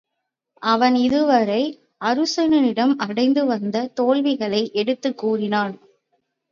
அவன் இதுவரை அருச்சுனனிடம் அடைந்து வந்த தோல்விகளை எடுத்துக் கூறினான்.